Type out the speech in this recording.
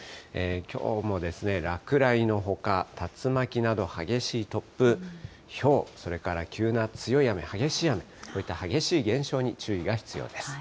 きょうも落雷のほか、竜巻など激しい突風、ひょう、それから急な強い雨、激しい雨、こういった激しい現象に注意が必要です。